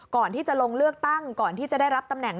ก่อนที่จะลงเลือกตั้งก่อนที่จะได้รับตำแหน่ง